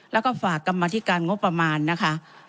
แล้วก็ฝากกรรมธิการงบประมาณนะคะ